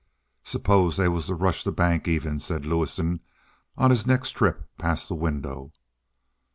"Suppose they was to rush the bank, even?" said Lewison on his next trip past the window.